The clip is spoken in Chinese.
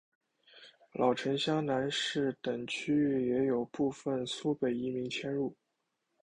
老城厢南市等区域也有部分苏北移民迁入。